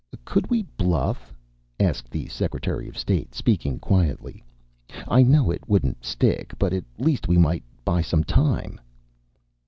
"Could we bluff?" asked the secretary of state, speaking quietly. "I know it wouldn't stick, but at least we might buy some time."